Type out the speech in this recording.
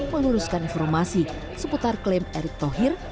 meluruskan informasi seputar klaim erick thohir